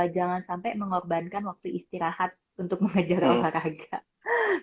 jangan sampai mengorbankan waktu istirahat untuk mengajar olahraga